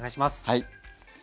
はい。